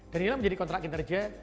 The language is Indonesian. dan inilah menjadi kontrak kinerja